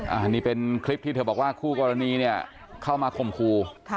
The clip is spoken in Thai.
อันนี้เป็นคลิปที่เธอบอกว่าคู่กรณีเนี่ยเข้ามาข่มครู